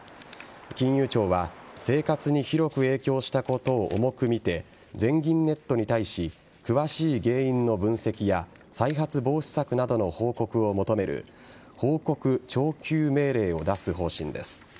金融庁は生活に広く影響したことを重く見て全銀ネットに対し詳しい原因の分析や再発防止策などの報告を求める報告徴求命令を出す方針です。